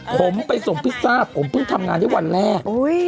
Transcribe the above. ผมไปส่งพิซซ่าผมเพิ่งทำงานได้วันแรก